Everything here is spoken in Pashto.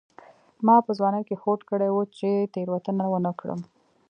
ما په ځوانۍ کې هوډ کړی و چې تېروتنه ونه کړم.